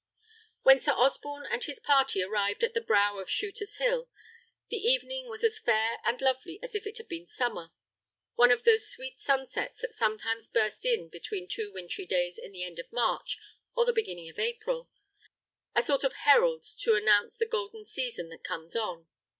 When Sir Osborne and his party arrived at the brow of Shooter's Hill, the evening was as fair and lovely as if it had been summer: one of those sweet sunsets that sometimes burst in between two wintry days in the end of March or the beginning of April: a sort of heralds to announce the golden season that comes on.